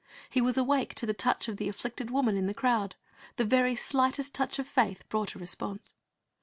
He was awake to the touch of the afflicted woman in the crowd; the very sHghtest touch of faith brought a response.